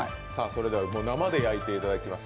それでは生で焼いていただきます